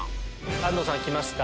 安藤さんきました。